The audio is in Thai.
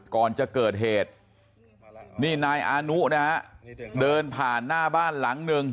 ก่อนจะเกิดเหตุนี่นายอานุนะฮะเดินผ่านหน้าบ้านหลังหนึ่ง